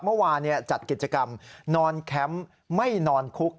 เมื่อวานจัดกิจกรรมนอนแคมป์ไม่นอนคุก